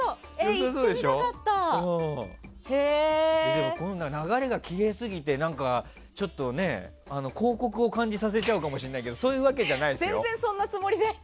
でも、流れがきれいすぎてちょっとね、広告を感じさせちゃうかもしれないけどそういう訳じゃないですよ。